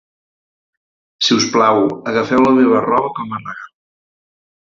Si us plau, agafeu la meva roba com a regal.